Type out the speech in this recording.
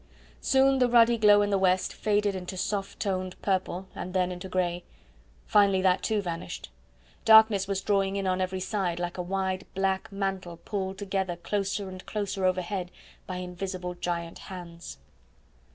Soon the ruddy glow in the west faded into soft toned purple and then into grey; finally that too vanished. Darkness was drawing in on every side like a wide, black mantle pulled together closer and closer overhead by invisible giant hands.